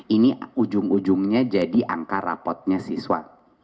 ini ujung ujungnya jadi angka rapotnya siswa